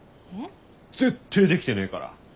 えっ？絶対できてねえから！